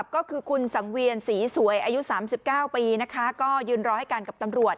ก็คือคุณสังเวียนศรีสวยอายุ๓๙ปีก็ยืนรอให้กันกับตำรวจ